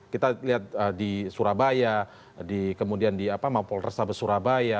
kita lihat di surabaya kemudian di maupol restabe surabaya